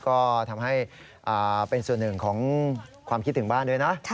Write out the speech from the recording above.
ก็ทำให้เป็นส่วนหนึ่งของความคิดถึงบ้านด้วยนะ